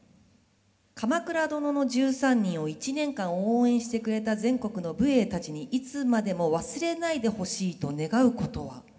「『鎌倉殿の１３人』を１年間応援してくれた全国の武衛たちにいつまでも忘れないでほしいと願うことは」。